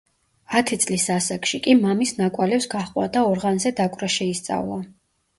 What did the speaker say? ათი წლის ასაკში კი მამის ნაკვალევს გაჰყვა და ორღანზე დაკვრა შეისწავლა.